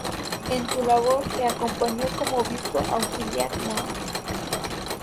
En su labor le acompañó como obispo auxiliar Mons.